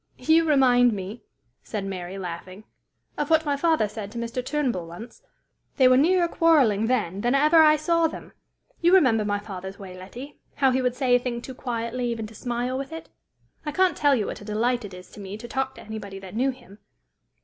"You remind me," said Mary, laughing, "of what my father said to Mr. Turnbull once. They were nearer quarreling then than ever I saw them. You remember my father's way, Letty how he would say a thing too quietly even to smile with it? I can't tell you what a delight it is to me to talk to anybody that knew him!